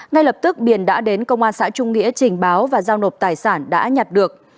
ngay lập tức biển đã đến công an xã trung nghĩa trình báo và giao nộp tài sản đã nhặt được